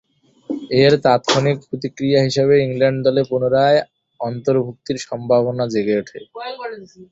এর তাৎক্ষণিক প্রতিক্রিয়া হিসেবে ইংল্যান্ড দলে পুনরায় অন্তর্ভূক্তির সম্ভাবনা জেগে উঠে।